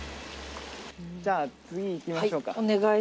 じゃあ次、行きましょうか。